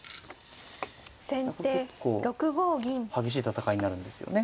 これ結構激しい戦いになるんですよね。